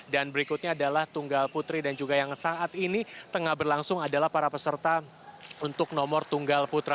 dan berikutnya adalah tunggal putri dan juga yang saat ini tengah berlangsung adalah para peserta untuk nomor tunggal putra